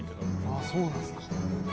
「あっそうなんですか」